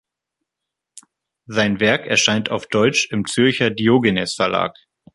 Sein Werk erscheint auf Deutsch im Zürcher Diogenes Verlag.